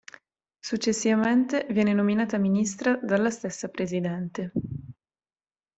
Successivamente viene nominata ministra dalla stessa Presidente.